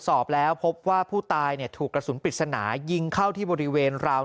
สอบแล้วพบว่าผู้ตายถูกกระสุนปริศนายิงเข้าที่บริเวณราว